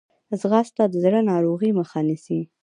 ځغاسته د زړه ناروغۍ مخه نیسي